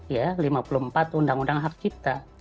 ya lima puluh empat undang undang hak cipta